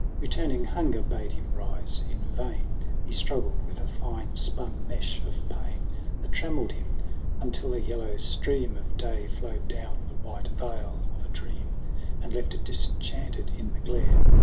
Returning hunger bade him rise; in vain He struggled with a fine spun mesh of pain That trammelled him, until a yellow stream Of day flowed down the white vale of a dream And left it disenchanted in the glare.